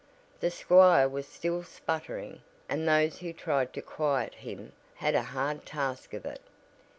The squire was still sputtering and those who tried to quiet him had a hard task of it.